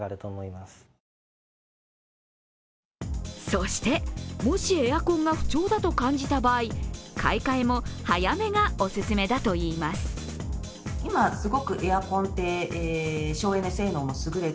そして、もしエアコンが不調だと感じた場合、買い替えも早めがお勧めだといいます。